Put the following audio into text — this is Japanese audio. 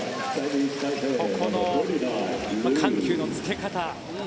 ここの緩急のつけ方。